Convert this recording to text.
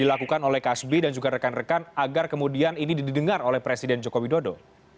apa yang dilakukan oleh kasbi dan juga rekan rekan agar kemudian ini didengar oleh presiden jokowi dodo